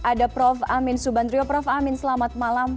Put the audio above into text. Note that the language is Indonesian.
ada prof amin subandrio prof amin selamat malam